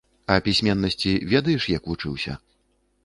А пісьменнасці ведаеш як вучыўся?